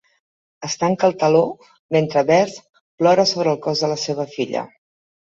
Es tanca el teló mentre Berthe plora sobre el cos de la seva filla.